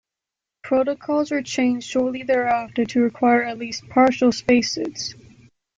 Protocols were changed shortly thereafter to require at least partial spacesuits.